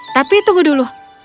tapi tunggu dulu